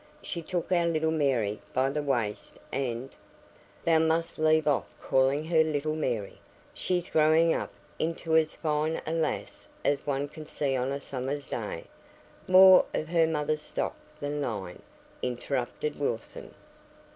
She took our little Mary by the waist, and " "Thou must leave off calling her 'little' Mary, she's growing up into as fine a lass as one can see on a summer's day; more of her mother's stock than thine," interrupted Wilson.